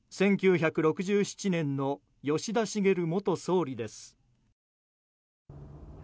１９６７年の吉田茂元総理です。